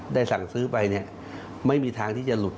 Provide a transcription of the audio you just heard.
ได้สั่งซื้อไปไม่มีทางที่จะหลุด